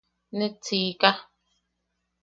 Net siika.